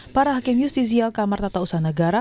para hakim justisial kamar tata usaha negara